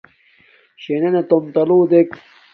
شݵنَنݳ تݸم تَلُݸ دݵک.